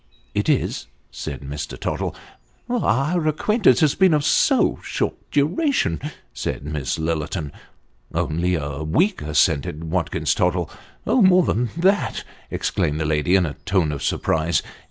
" It is," said Mr. Tottle. Enchanting Avowal. 351 "Oar acquaintance has been of so short duration," said Miss Lillerton. : Only a week," assented Watkins Tottlo. ' Oh ! more than that," exclaimed the lady, in a tone of surprise.